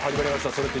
「それって！？